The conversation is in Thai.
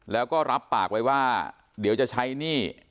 แล้วก็รับปากไว้ว่าเดี๋ยวจะใช้หนี้